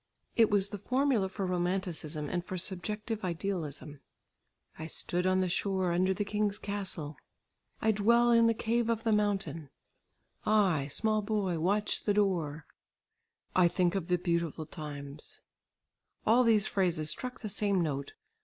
It was the formula for romanticism and for subjective idealism. "I stood on the shore under the king's castle," "I dwell in the cave of the mountain," "I, small boy, watch the door," "I think of the beautiful times," all these phrases struck the same note.